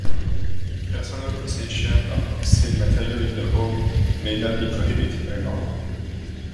Personal possession of obscene material in the home may not be prohibited by law.